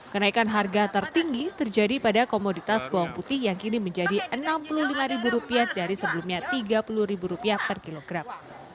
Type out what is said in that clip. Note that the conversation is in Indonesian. kenaikan harga tertinggi terjadi pada komoditas bawang putih yang kini menjadi rp enam puluh lima dari sebelumnya rp tiga puluh per kilogram